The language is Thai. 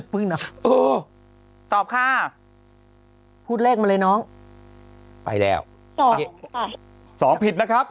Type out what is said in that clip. เพิ่งนะอ๋อตอบค่ะพูดเลขมาเลยน้องไปแล้วตอบค่ะสองผิดนะครับ